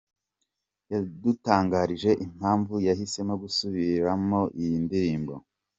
com yadutangarije impamvu yahisemo gusubiramo iyo ndirimbo.